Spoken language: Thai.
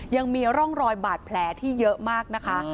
ยังมีร่องรอยบาดแผลที่เยอะมากนะคะ